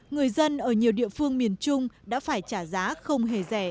người dân ở nhiều địa phương miền trung đã phải trả giá không hề rẻ